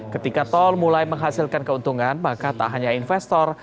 ketika tol mulai menghasilkan keuntungan maka tak hanya investor